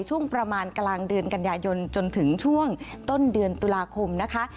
ช่วงประมาณกลางเดือนกันยายนจนถึงช่วงต้นเดือนตุลาคมนะคะ